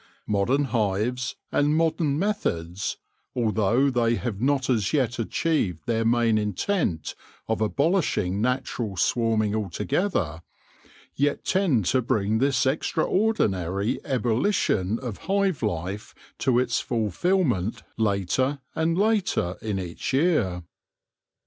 Modern hives and modern methods, although they have not as yet achieved their main intent of abolishing natural swarming altogether, yet tend to bring this extraordinary ebullition of hive life to its fulfilment later and later in each year.